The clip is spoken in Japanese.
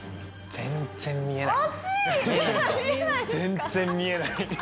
全然見えない。